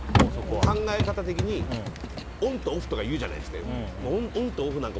考え方的にオンとオフとか言うじゃないですか、よく。